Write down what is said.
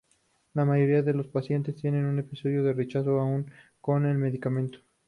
La mayoría de los pacientes tienen un episodio de rechazo aún con el medicamento.